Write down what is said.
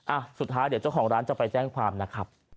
อ่ะสุดท้ายเดี๋ยวเจ้าของร้านจะไปแจ้งความนะครับ